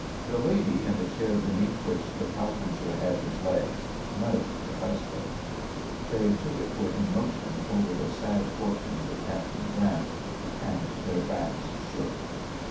The lady in the chair beneath which the cow puncher had his legs nudged her husband. They took it for raootion over the sad fortunes of Captain Grant, and their backs shook.